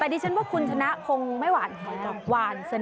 แต่ดิฉันว่าคุณชนะคงวานกันกับวานเสน่ห์